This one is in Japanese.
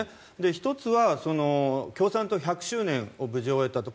１つは共産党１００周年を無事終えたと。